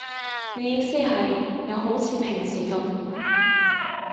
你意思係，又好似平時噉